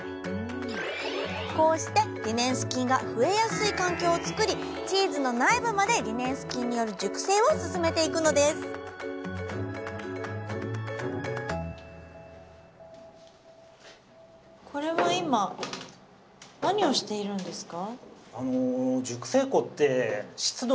こうしてリネンス菌が増えやすい環境を作りチーズの内部までリネンス菌による熟成を進めていくのですこれは今何をしているんですか？